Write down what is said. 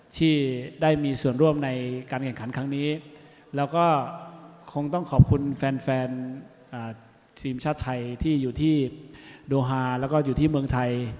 ที่ได้มีส่วนร่วมในการแข่งขันครั้งนี้แล้วก็คงต้องขอบคุณแฟนทีมชาติไทยที่อยู่ที่โดฮาแล้วก็อยู่ที่เมืองไทย